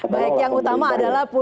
baik yang utama adalah